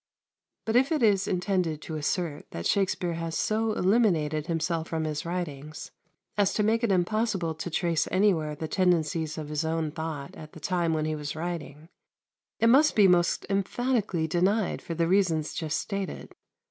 But if it is intended to assert that Shakspere has so eliminated himself from his writings as to make it impossible to trace anywhere the tendencies of his own thought at the time when he was writing, it must be most emphatically denied for the reasons just stated.